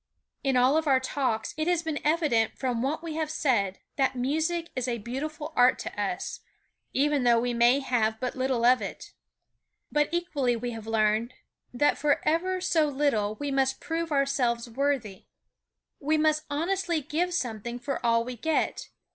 In all of our Talks it has been evident from what we have said, that music is a beautiful art to us, even though we may have but little of it. But equally we have learned, that for ever so little we must prove ourselves worthy. We must honestly give something for all we get.